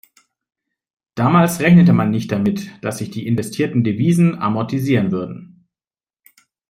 Damals rechnete man nicht damit, dass sich die investierten Devisen amortisieren würden.